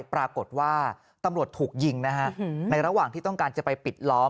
ปรากฏว่าตำรวจถูกยิงนะฮะในระหว่างที่ต้องการจะไปปิดล้อม